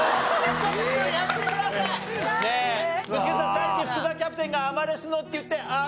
さっき福澤キャプテンが「アマレスの」って言ってああ